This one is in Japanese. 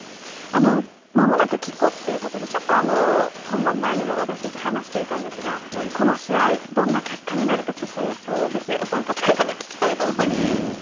まもなくキックオフということでちょっと本番前にも私たち話していたんですがこの試合、どんな結果になるかぜひ予想をお三方から聞きたいんですが。